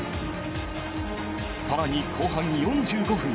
更に、後半４５分。